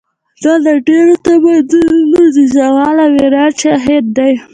دا د ډېرو تمدنونو د زوال او عروج شاهد دی.